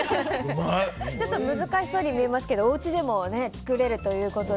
ちょっと難しそうに見えますけどおうちでも作れるということで。